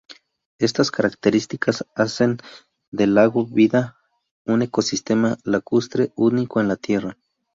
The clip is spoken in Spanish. Estas características hacen del lago Vida un ecosistema lacustre único en la Tierra.